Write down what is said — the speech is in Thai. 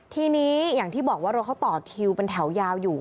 ทีนี้อย่างที่บอกว่ารถเขาต่อคิวเป็นแถวยาวอยู่